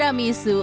a cek anggur